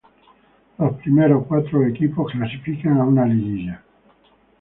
Los primeros cuatro equipos clasifican a una liguilla.